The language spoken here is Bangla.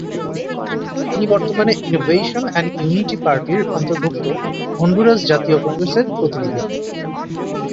তিনি বর্তমানে ইনোভেশন অ্যান্ড ইউনিটি পার্টির অন্তর্ভুক্ত হন্ডুরাস জাতীয় কংগ্রেসে প্রতিনিধি।